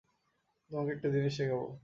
তোমাকে একটা জিনিস শেখাব।